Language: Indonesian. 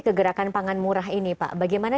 ke gerakan pangan murah ini pak bagaimana